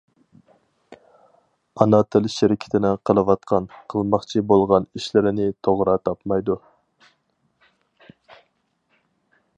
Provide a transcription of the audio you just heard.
ئانا تىل شىركىتىنىڭ قىلىۋاتقان، قىلماقچى بولغان ئىشلىرىنى توغرا تاپمايدۇ.